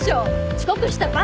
遅刻した罰。